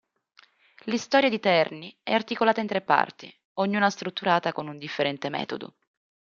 L"'Historia di Terni" è articolata in tre parti, ognuna strutturata con un differente metodo.